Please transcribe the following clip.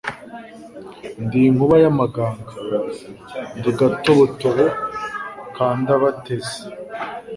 Ndi inkuba y' amaganga.. Ndi Gatobotobo ka Ndabateze,